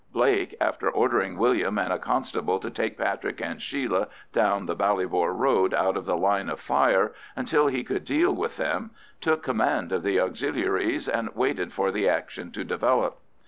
Blake, after ordering William and a constable to take Patrick and Sheila down the Ballybor road out of the line of fire until he could deal with them, took command of the Auxiliaries, and waited for the action to develop.